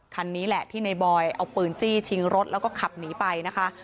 คันนี้แหละที่ในบอยเอาปืนจี้ชิงรถแล้วก็ขับหนีไปนะคะ